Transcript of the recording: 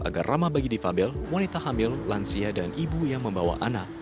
agar ramah bagi difabel wanita hamil lansia dan ibu yang membawa anak